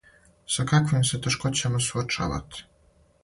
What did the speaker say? Са каквим се тешкоћама суочавате?